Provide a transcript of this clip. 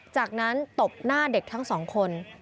จากนั้นตบหน้าเด็กทั้งสองคน